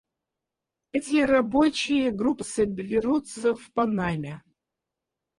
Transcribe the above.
Эти рабочие группы соберутся в Панаме.